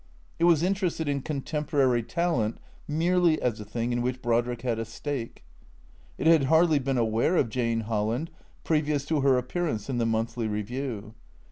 It was interested in contemporary tal ent merely as a thing in which Brodrick had a stake. It had hardly been aware of Jane Holland previous to her appearance in the " Monthly Review."